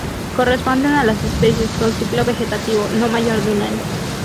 Corresponden a las especies con ciclo vegetativo no mayor de un año.